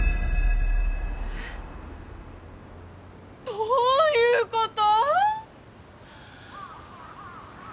どういうこと！？